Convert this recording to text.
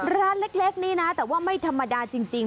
ร้านเล็กนี่นะแต่ว่าไม่ธรรมดาจริง